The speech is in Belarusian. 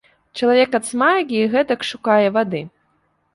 Чалавек ад смагі гэтак шукае вады.